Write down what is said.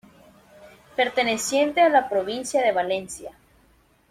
Perteneciente a la provincia de Valencia.